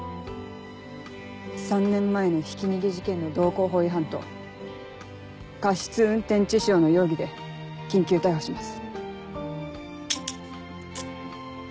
３年前のひき逃げ事件の道交法違反と過失運転致傷の容疑で緊急逮捕します。